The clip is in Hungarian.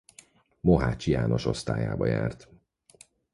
Mohácsi János osztályába járt.